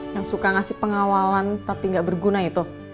yang suka ngasih pengawalan tapi gak berguna itu